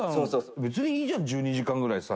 伊達：別にいいじゃん１２時間ぐらいさ。